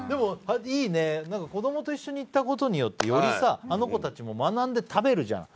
子どもと一緒に行ったことによってあの子たちも学んで食べるじゃん。